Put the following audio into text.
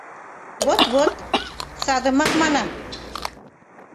— Вот-вот, садымак манам.